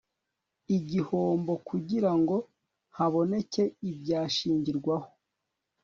igihombo kugira ngo haboneke ibyashingirwaho